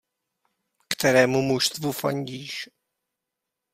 Kterému mužstvu fandíš?